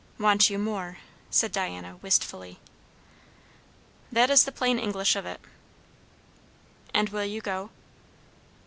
"Want you more" said Diana wistfully. "That is the plain English of it." "And will you go?"